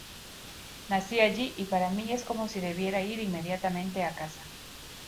Nací allí y para mí es como si debiera ir inmediatamente a casa.